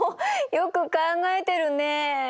よく考えてるね。